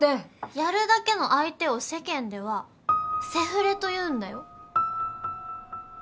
やるだけの相手を世間ではセフレと言うんだよ。